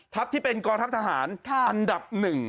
ที่เป็นกองทัพทหารอันดับ๑